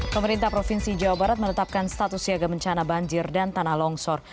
pemerintah provinsi jawa barat menetapkan status siaga bencana banjir dan tanah longsor